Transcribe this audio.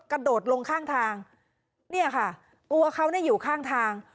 กระโดดลงข้างทางเนี่ยค่ะตัวเขาเนี่ยอยู่ข้างทาง